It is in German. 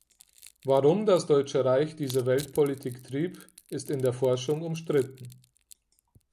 Warum das Deutsche Reich diese Weltpolitik trieb, ist in der Forschung umstritten.